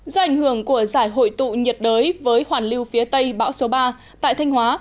do ảnh hưởng của giải hội tụ nhiệt đới với hoàn lưu phía tây bão số ba tại thanh hóa